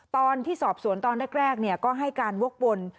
ตอนที่สอบสวนตอนแรกก็ให้การวกวน